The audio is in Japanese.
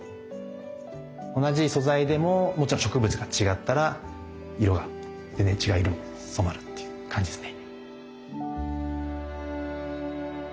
同じ素材でももちろん植物が違ったら色が全然違う色に染まるっていう感じですね。